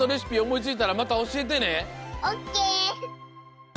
オッケー！